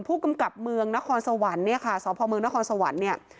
ผู้กำกับเมืองนครสวรรค์เนี่ยค่ะสพเมืองนครสวรรค์เนี่ย